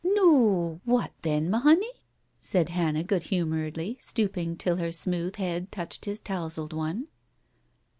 "Noo, what then, ma honey?" said Hannah good humouredly, stooping, till her smooth head touched his touzled one.